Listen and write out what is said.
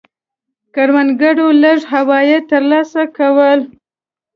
کروندګرو لږ عواید ترلاسه کول.